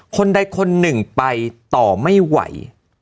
คนใดคนหนึ่งไปต่อไม่ไหว